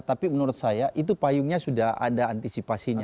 tapi menurut saya itu payungnya sudah ada antisipasinya